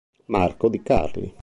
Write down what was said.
Marco di Carli